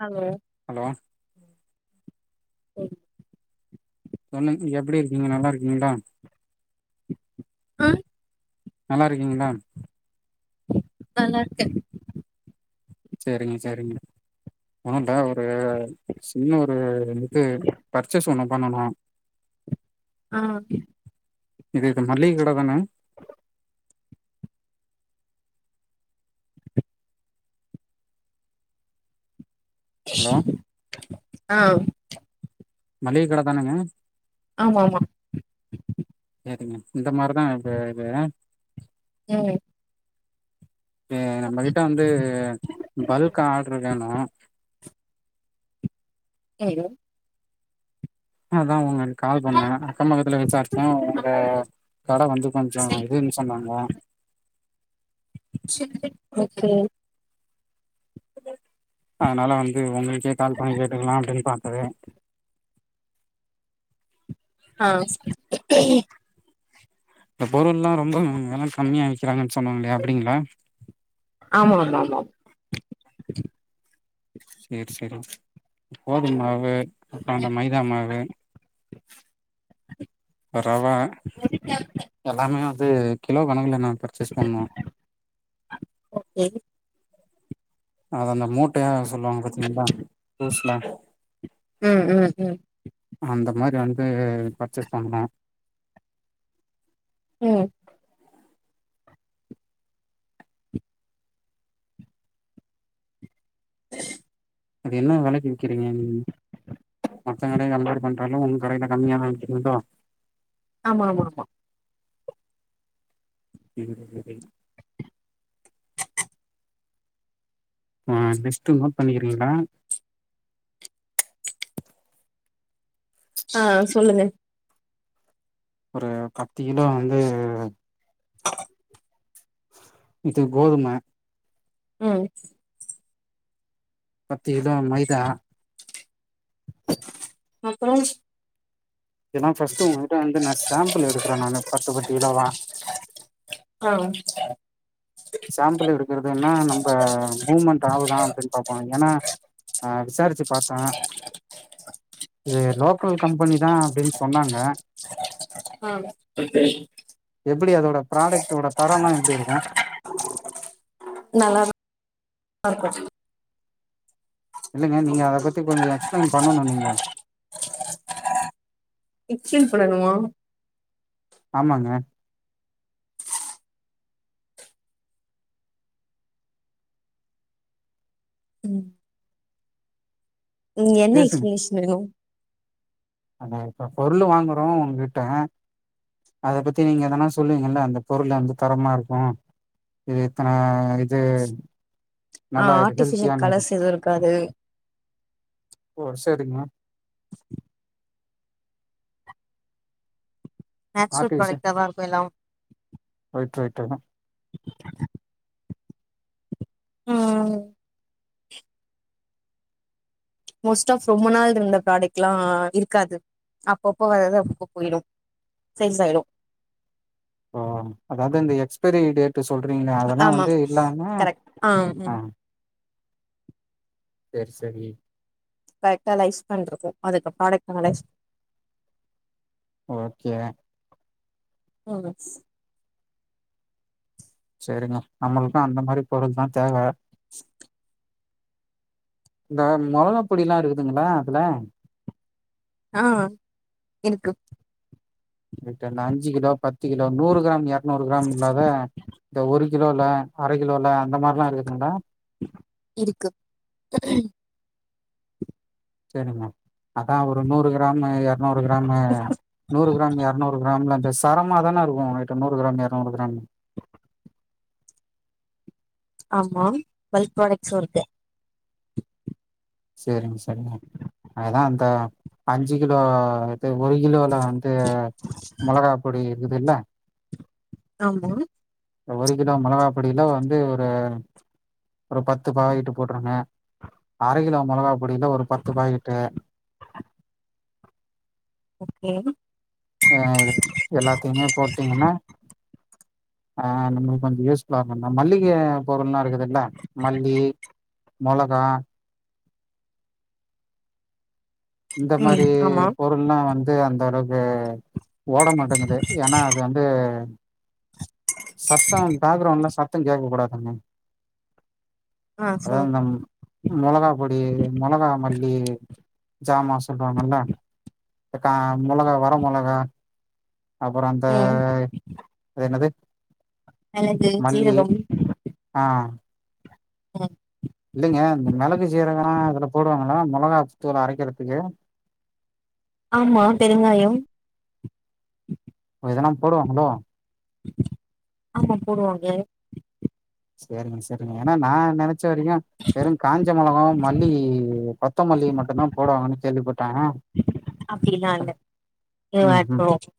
Hello hello [inaudible] சொல்லுங் எப்டி இருக்கீங்க நல்லா இருக்கீங்களா [unintelligible] நல்லா இருக்கீங்களா நல்லா இருக்கேன் சரிங்க சரிங்க ஒண்ணும் ட ஒரு சின்ன ஒ ஒரு [unintelligible] பர்ச்சேஸ் ஒன்னு பண்ணனு ஆஹ் ஓகே இது மல்லிக கட தான ஹலோ ஆஹ் மல்லிக கட தானங்க ஆமா ஆமா சரிங்க இந்த மாதிரிதான் இது இது உம் இது நம்மகிட்ட வந்து பல்க் ஆர்டரு வேணும் ஹலோ [inaudible] அதான் உங்களுக்கு கால் பண்ணேன் அக்க பக்கத்துல விசாரிச்சேன் உங்க கட வந்து கொஞ்சம் இதுன்னு சொன்னாங்க செரி ஓக்கே அதனால வந்து உங்களுக்கு கே கால் பண்ணி கேட்டுக்கலானு அப்டினு பாத்தது ஆஹ் இப்ப பொருள்ளாம் ரொம்ப வெல கம்மியா விக்கிறாங்கன்னு சொன்னாங்களே அப்டிங்களா ஆமா ஆமா ஆமா சேர் சேரி கோதும்மாவு அப்புறம் அந்த மைதா மாவு ரவ எல்லாமே து கிலோ கணக்குல நான் பர்ச்சேஸ் பண்ணோம் ஓகே அது அந்த மூட் டுக்காக சொல்லுவாங்க பாத்திங்களா லூஸ்ல ம் ம் ம் அந்த மாரி வந்து பர்ச்சேஸ் பண்ணனும் உம் அது என்ன வெலைக்கு வி்க்கிறீங்க நீங் மத்த கடைய கம்பேர் பண்றலோ உன் கடையில கம்மியாதான் விக்கிறிங்களோ ஆமா ஆமா ஆமா [inaudible] ஆ லிஸ்ட் நோட் பண்ணிக்கிறீங்களா ஆஹ் சொல்லுங்க ஒரு பத் து கிலோ வந்து இது கோதும ம் பத்து கிலோ மைதா அப்புறம் இதல்லாம் பஸ்ட்டு உங்ககிட்ட வந்து நான் சேம்பள் எடுக்கிறன் நானு பத்து பத்து கிலோவா ஆ சேம்பள் எடுக்கறதுன்னா நம்ப மூ்மெண்ட் ஆவுதான் அப்படினு பாப்போம் ஏன்னா ஆ விசாரிச்சு பாத்த இது லோக்கல் கம்பெனி தான் அப்படின்னு சொன்னாங்க ஆ எப்படி அதோட ப்ராடக்டோட தரம்லாம் எப்டி இருக்கும் நல்லா இருக்கும் இல்லைங்க நீங்க அத பத்தி கொஞ்சம் எக்ஸ்பிளைன் பண்ணணும் நீங்க எக்ஸ்பிளைன் பண்ணணுமா ஆமாங்க ம் ம் என்ன எக்ஸ்பிளனேஷன் வேணும் அட இப்ப பொருளு வாங்குறோம் உன்கிட்ட அத பத்தி நீங்க எதனா சொல்லுவீங்க இல்ல அந்த பொருள் வந்து தரமா இருக்கும் இது இத்தன இது ஆ நல்லா இது ஆர்ட்டிபிஷியல் ஹெல்த்தியானது கலர்ஸ் எதுவும் இருக்காது செரிங்க நேட்ச்ரல் ஆர்டிபிஷியல் ப்ரடக்ட்டா தான் இருக்கும் எல்லாம் [inaudible] [inaudible] ம் மோஸ்ட் ஆப் ரொம்ப நாள் இருந்த ப்ராடக்ட் எல்லாம் இருக்காது அப்பப்ப வரது அப்பப்ப போயிடும் சேல்ஸ் ஆயிடும் ஓ அதாவது இந்த எக்ஸ்பைரி டேட் சொல்றீங்களே அதெல்லாம் ஆமா வந்து இல்லாமா கரெக்ட் ஆ ம் சேரி சேரி கரெக்டா லைஸ் பண்றதூ அதுக்கப் ப்ராடக்ட்னல ஓகே [unintelligible] சேரிங்க நம்மளுக்கும் அந்த மாரி பொருள் தான் தேவை [inaudible] இந்த மொளகா பொடியல்லாம் இருக்குதுங்களா அதுல ஆ இருக்கு என்ட அந்த அஞ்சு கிலோ பத்து கிலோ நூறு கிராம் நூறுகிராம் இல்லாத இந்த ஒரு கிலோல அரை கிலோல அந்த மாரில்லாம் இருக்குதுங்களா இருக்கு செரிங்க அதான் ஒரு நூறு க கிராம் இருநூறு கிராம் நூறு கிராம் இருநூறு கிராம்ல அந்த தரமா தானருக்கு உங்கிட்ட நூறு கிராம் எர்நூறு கிராம் ஆமா வெல்த் ப்ராடக்ட்ஸு இருக்கு செரிங்க செரிங்க அதுதா அந்த அஞ்சு கிலோ ஒரு கிலோல வந்து மொளகா பொடி இதுல்ல ஆமா ஒரு கிலோ மொளகா பொடில வந்து ஒரு ஒரு பத்து பாக்கெட்டு போட்ருங்க அர கிலோ மொளகா பொடில ஒரு பத்து பாக்கெட்டு ஓகே அ எல்லாத்தியுமே போட்டீங்கன்னா அ நம்மளுக் கொஞ்சோ யூஸ்ஃபுல்லா இருக்கு அந்த மளிக பொருள்ல்லா இருக்கு ல்ல மல்லி மொளகா இந்த மாரி ம் ஆமா பொருள்ல்லா வந்து அந்த அளவுக்கு ஓட மாட்டேங்குது ஏன்னா அது வந்து சத்தோ பேக்ரவுண்ட்ல சத் த்தோ கேக்க கூடாதுங்க ஆ அதா சொல்லுங்க [unintelligible] மொளகா பொடி மொளகா மல்லி ஜாமா சொல்லுவாங்கல்ல இந்த கா மொளகா வர மொளகா அப்புறோ அந்த ம் அது என்னது மெளகு சீரகம் அ அ இல்லேங்க இந்த மெளகு சீரகல்லா அதுல போடுவாங்களா மொளகாத்தூள் அரைக்கர்துக்கு. ஆமா பெருங்காயோ இதல்லா போடுவாங்களோ ஆமா போடுவாங்க. செரிங்க [unintelligible] தெரிலிங்க ஏன்னா நா நெனச்ச வரிக்கு வெறு காஞ்ச மெளாகாவு மல்லி கொத்தமல்லி மட்டுந்தா போடுவாங்கன்னு கேள்விப்பட்டே அப்டிலா இப்ப இல்ல இதுவா ம் ம். இருக்கனு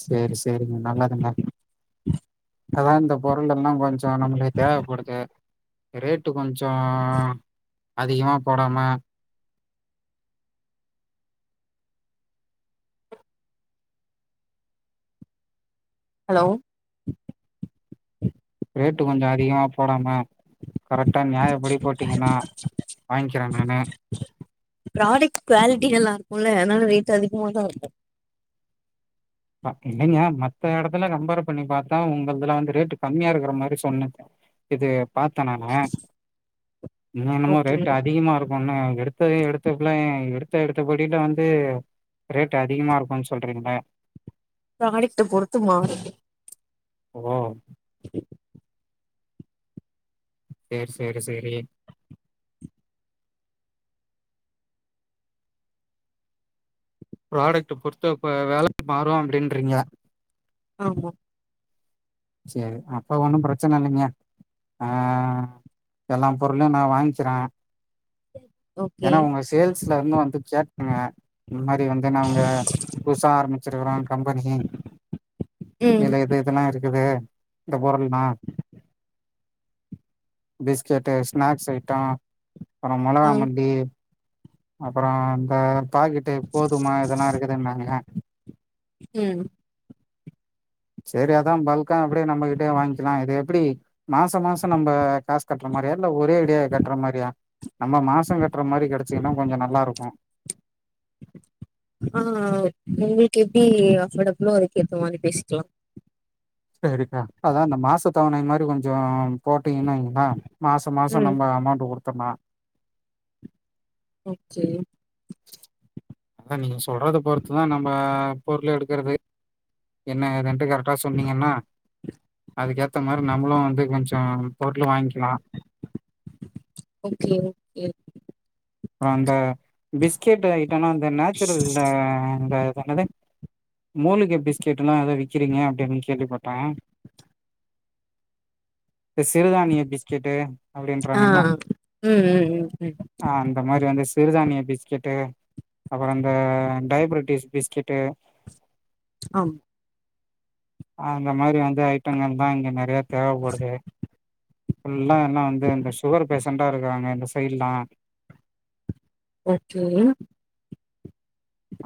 சேரி சே சேரிங்க நல்லதுங்க. அதான்ந்த போ [unintelligible] எல்லா கொஞ்சோ நம்ளுக்கு தேவப்படுது. ரேட்டு கொஞ்ச அதிகமா போடாம ஹலோ ரேட்டு கொஞ்சோ அதிகமா போடாம கரெக்டா நியாயப்படி போட்டீங்கன்னா வாங்க்கிறே நானு. குல அத்னால ரேட்டு அதிகமாதா இருக்கு இல்லங்க மத்த எடத்துல கம்பேர் பண்ணி பாத்தா உங்கள்துல வந்து ரேட்டு கம்மியா இருக்கற மாரி சொன்னது இது பாத்த நானு. இங்க என்னமோ ஓகே ரேட் அதிகமா இருக்குன்னு எடுத்ததே எடுத்தக்ல்லாம் எடுத் எடுத்தா எடுத்தபடியில வந்து ரேட் அதிகமா இருக்குன்னு சொல்றீங்கள ப்ராடக்ட்ட பொறுத்து மாறும். ஓ [inaudible] சேரி சேரி சேரி ப்ராடக்ட்ட பொறுத்து அப்ப வேல மாறும் அப்டின்றீங்க. ஆமா சரி அப்ப ஒண்ணும் பிரச்சனை இல்லைங்க ஆஹ் எல்லாப் பொருளையு நா வாங்கிகறே ஓகே ஏன்னா உங்க சேல்ஸ்ல இருந்து வந்து கேட்டங்க இந்த மாரி வந்து நாங்க புதுசா ஆரம்பிச்சிருக்கறோ கம்பெனி ம் இல்ல இது இதல்லா இருக் இது இந்த பொருள்னா பிஸ்கெட்டு ஸ்நாக்ஸ் ஐட்டோ அப்புறம் மொளகா ஆ மல்லி அப்புற இந்த பாக்கிட்டு போதுமா இதெல்லா இருக்குதுன்னாங்க. உம் சேரி அதான் பல்கா அப்படியே நம்மகிட்டயே வாங்க்கிலாம் இது எப்படி மாச மாசம் நம்ப காசு கட்ற மாரியா இல்ல ஒரே அடியா கட்ற மாரியா நம்ம மாச கட்ற மாரி கெடச்சீங்கன்னா கொஞ்ச நல்லா இருக்கு ஆ உங்களுக்கு எப்டி அஃபர்டபுளோ அதுக்கேத்த மாரி பேசிக்கலா சரிக்கா அதான் அந்த மாச தவணை மாரி கொஞ்சம் போட் அப்டி இல்லிங்ளா மாச மாசம் ம் நம்ப அமௌண்ட்டு குடுத்தர்னொ ஒக்கே அதா நீங்க சொல்றத பொறுத்துதா நம்ம பொருள் எடுக்குறது என்ன ஏதுன்ட்டு கரட் டா சொன்னீங்கன்னா அதுக்கேத்த மாரி நம்ளு வந்து கொஞ்சோ பொருளு வாங்கி நா ஓகே ஓகே அந்த பிஸ்கட் ஐட்டனா அந்த நேச்சுரல்ல இந்த என்னது மூலிகை பிஸ்கெட்டுனா அதா விக்கிறீங்க அப்டின் கேள்விபட்ட இது சிறுதானிய பிஸ்கெட்டு ஆ அப்டின்றாங்கல்ல ம் ம் ம் ம் ஆ அந்த மாரி வந்து சிறுதானிய பிஸ்கெட்டு அப்றோ இந்த டயப்ரட்டிஸ் பிஸ்கெட்டு் ஆம் அந்த மாரி வந்து ஐட்டங்கள் தா இங்க நறையா தேவபடுது ஃபுல்லா எல்லா வந்து இந்த சுகர் பேஷண்டா இருக்காங்க இந்த சைட்லா ஓக்கே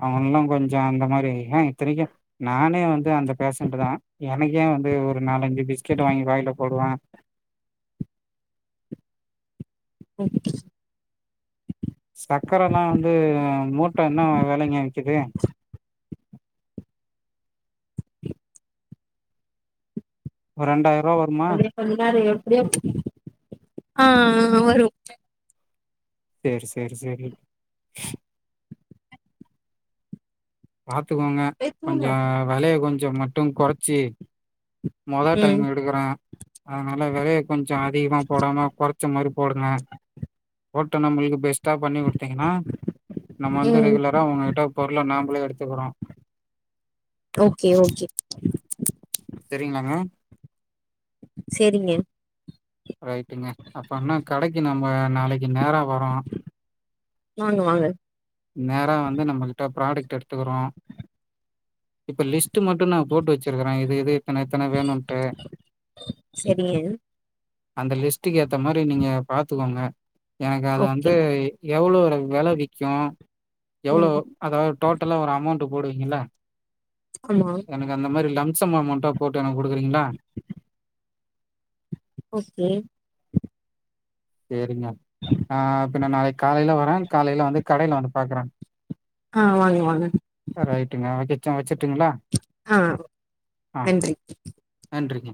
அவன்ல்லா கொஞ்சோ அந்த மாரி ஏன் இத்தனைக்கு நானே வந்து அந்த பேசன்ட் தா எனக்கே வந்து ஒரு நாலஞ்சு பிஸ்கட் வாங்கி வாயில போடுவ சக்கரலா வந்து மூட்ட என்ன வெலைங்க விக்குது ஒரண்டா [unintelligible] [unintelligible] ஆ ஆ ஆ வரு சேர் சேர் சேரி பாத்துக்கோங்க கொஞ்ச வலைய கொஞ்சோ மட்டு கொறச்சி மொத டைம் ம் எடுகுற அதனால வெலைய கொஞ்சோ அதிகமா போடாம கொறச்ச மாரி போடுங்க ஓட்டனங்ளுக்கு பேஸ் த பண்ணி குடுத்தீங்கனா நம்ம வந்து ம் ரெகுலரா அவ்ககிட்ட பொருள நாமளே எடுதுகுறோ ஓகே ஓகே தெரிங்ளாங்க செரிங்க ரைட்டுங்க அப்ப அண்ன கடைக்கு நம்ம நாளைக்கு நெரா வரோ வாங்க வாங்க றோ இப்ப லிஸ்ட்டு மட்டு நா போட்டு வச்சிருக்குற இது இது இத்தன இத்தன வேணுட்டு செரிங்க அந்த லிஸ் ட்டுக்கு ஏத்த மாரி நீங்க பாத்துகோங்க எனக்கு அது ஓகே வந்து எவ்ளோ வெல விக்கு எவ்ளோ ம் அதாது டோடலா ஒரு அமௌண்ட் டு போடுவீங்கில ஆமா எனக்கு அந்த மாரில்லங் [unintelligible] அமௌண்டா போட்டு எனக் குடுக்குறீங்ளா ஓகே சேரிங்க ஆ பின நாளைக் காலைல வரன் காலைல வந்து கடைல வந்து பாக்குற ஆ வாங்க வாங்க ரைட்டுங்க அடி [unintelligible] டுங்களா ஆ ஆ நன்றி நன்றிங்க